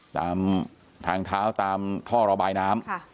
ตามทางเท้าตามท่อระบายน้ำ